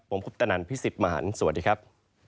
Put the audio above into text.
ผมคุปตนันพี่สิทธิ์มหันฯสวัสดีครับ